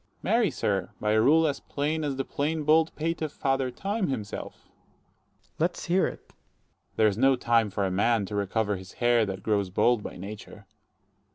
_ Marry, sir, by a rule as plain as the plain bald pate of father Time himself. Ant. S. Let's hear it. 70 Dro. S. There's no time for a man to recover his hair that grows bald by nature.